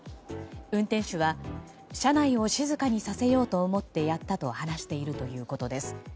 運転手は、車内を静かにさせようと思ってやったと話しているということです。